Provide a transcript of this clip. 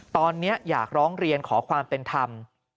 ตอนนี้อยากร้องเรียนขอความเป็นธรรม